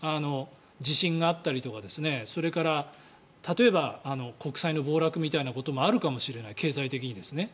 地震があったりとかそれから、例えば国債の暴落みたいなこともあるかもしれない経済的にですね。